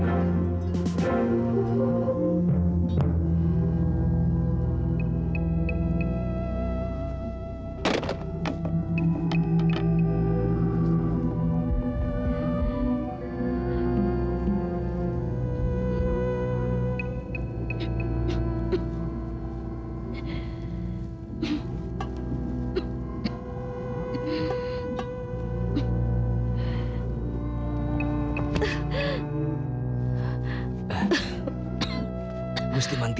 kita saling memegang